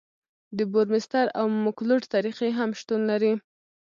د بورمستر او مکلوډ طریقې هم شتون لري